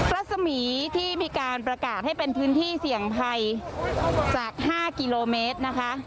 รัศมีที่มีการประกาศให้เป็นพื้นที่เสี่ยงภัยจาก๕กิโลเมตรนะคะ